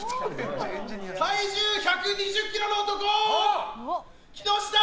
体重１２０ｋｇの男、木下。